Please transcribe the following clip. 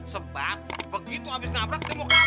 sebab begitu abis nabrak dia mau kabur